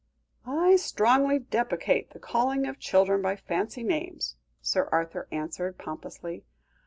"I strongly deprecate the calling of children by fancy names," Sir Arthur answered pompously.